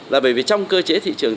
là bởi vì trong cơ chế thị trường